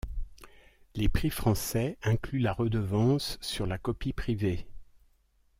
Les prix français incluent la redevance sur la copie privée.